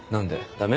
ダメ？